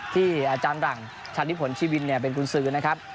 ที่อาจารย์หลังชันนิพลชีวินเป็นกุญสือนะครับ